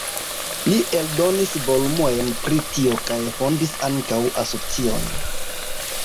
Li eldonis volumojn pri tio kaj fondis ankaŭ asocion.